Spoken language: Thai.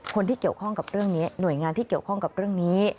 คนที่เกี่ยวข้องกับเรื่องนี้หน่วยงานที่เกี่ยวข้องกับเรื่องนี้